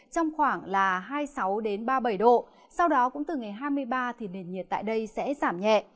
trong khoảng hai mươi sáu đến ba mươi bảy độ sau đó cũng từ ngày hai mươi ba nền nhiệt tại đây sẽ giảm nhẹ